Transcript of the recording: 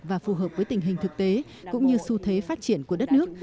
và phù hợp với tình hình thực tế cũng như xu thế phát triển của đất nước